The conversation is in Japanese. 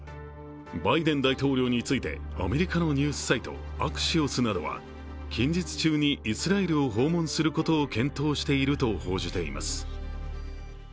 バイデン大統領について、アメリカのニュースサイト、アクシオスなどは近日中に、イスラエルを訪問することを検討していると報じています。